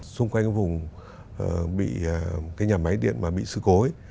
xung quanh vùng bị cái nhà máy điện mà bị sự cố ấy